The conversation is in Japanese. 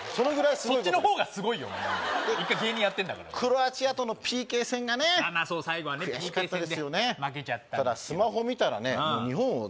そっちの方がすごいよ１回芸人やってんだからクロアチアとのＰＫ戦がねそう最後はねＰＫ戦で悔しかったですよね負けちゃったんですけどただスマホ見たらね日本をね